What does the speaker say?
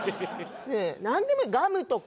なんでもいいガムとか。